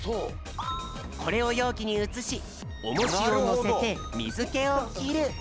これをようきにうつしおもしをのせてみずけをきる。